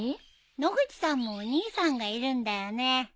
野口さんもお兄さんがいるんだよね。